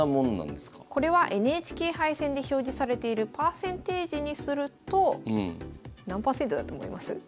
これはＮＨＫ杯戦で表示されているパーセンテージにすると何％だと思います？